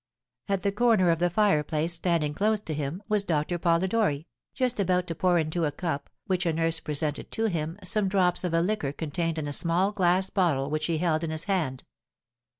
At the corner of the fireplace, standing close to him, was Doctor Polidori, just about to pour into a cup, which a nurse presented to him, some drops of a liquor contained in a small glass bottle which he held in his hand.